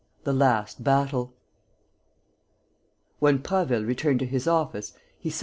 THE LAST BATTLE When Prasville returned to his office he saw M.